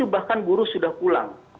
bahkan buruh sudah pulang